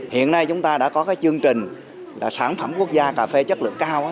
hiện nay chúng ta đã có cái chương trình là sản phẩm quốc gia cà phê chất lượng cao